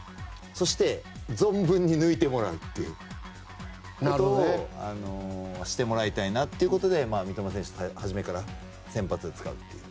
そして存分に抜いてもらうということをしてもらいたいなということで三笘選手を初めから先発で使うと。